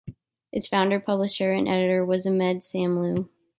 Its founder, publisher and editor was Ahmad Shamlou.